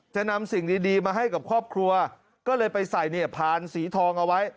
จะนำสิ่งดีมาให้กับครอบครัวก็เลยไปใส่เนี่ยพานสีทองเอาไว้